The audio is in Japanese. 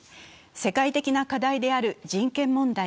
世界的な課題である人権問題。